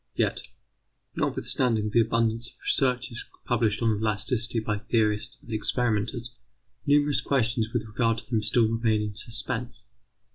Yet, notwithstanding the abundance of researches published on elasticity by theorists and experimenters, numerous questions with regard to them still remain in suspense.